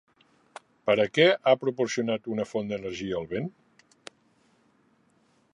Per a què ha proporcionat una font d'energia el vent?